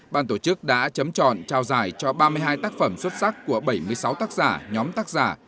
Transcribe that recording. ban tổ chức đã chấm trọn trao giải cho ba mươi hai tác phẩm xuất sắc của bảy mươi sáu tác giả nhóm tác giả